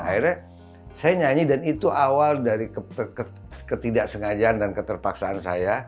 akhirnya saya nyanyi dan itu awal dari ketidaksengajaan dan keterpaksaan saya